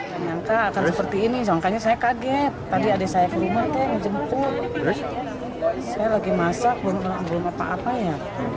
saya lagi masak belum apa apa ya